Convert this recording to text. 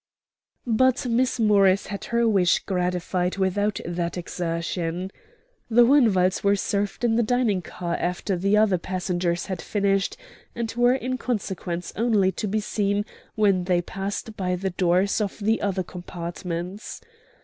But Miss Morris had her wish gratified without that exertion. The Hohenwalds were served in the dining car after the other passengers had finished, and were in consequence only to be seen when they passed by the doors of the other compartments.